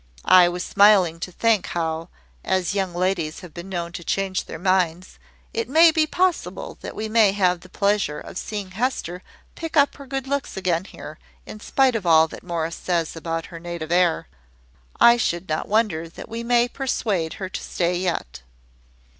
"I was smiling to think how, as young ladies have been known to change their minds, it may be possible that we may have the pleasure of seeing Hester pick up her good looks again here, in spite of all that Morris says about her native air. I should not wonder that we may persuade her to stay yet."